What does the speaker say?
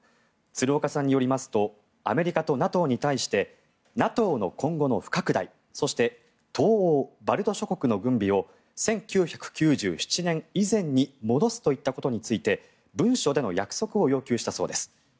鶴岡さんによりますとアメリカとＮＡＴＯに対してＮＡＴＯの今後の不拡大そして東欧・バルト諸国の軍備を１９９７年以前に戻すといったことについて文書での約束を要求したそうです。